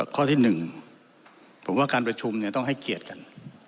ข้อที่๑ผมว่าการประชุมเนี่ยต้องให้เกียรติกัน